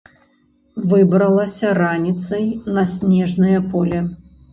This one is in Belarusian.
Выбралася раніцай на снежнае поле.